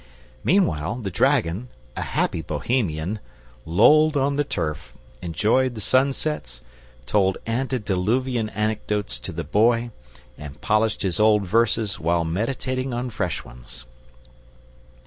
Meanwhile the dragon, a happy Bohemian, lolled on the turf, enjoyed the sunsets, told antediluvian anecdotes to the Boy, and polished his old verses while meditating on fresh ones.